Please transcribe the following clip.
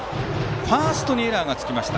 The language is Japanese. ファーストにエラーがつきました。